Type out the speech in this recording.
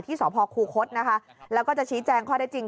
ที่สภครูโคตรแล้วก็จะชี้แจงข้อได้จริง